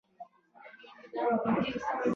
قاچاق کوونکي له وړاندې تښتېدلي دي